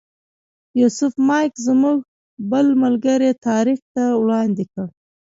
یوسف مایک زموږ بل ملګري طارق ته وړاندې کړ.